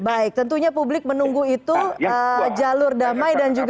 baik tentunya publik menunggu itu jalur damai dan juga